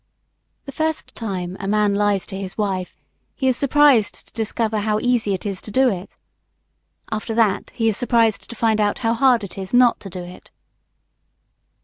The first time a man lies to his wife he is surprised to discover how easy it is to do it. After that he is surprised to find out how hard it is not to do it.